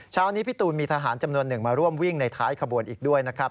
เช้านี้พี่ตูนมีทหารจำนวนหนึ่งมาร่วมวิ่งในท้ายขบวนอีกด้วยนะครับ